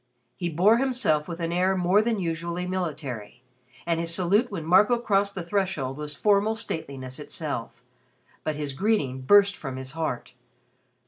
He bore himself with an air more than usually military and his salute when Marco crossed the threshold was formal stateliness itself. But his greeting burst from his heart.